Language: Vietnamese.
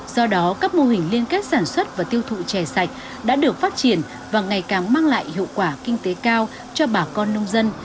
do đó các mô hình liên kết sản xuất và tiêu thụ chè sạch đã được phát triển và ngày càng mang lại hiệu quả kinh tế cao cho bà con nông dân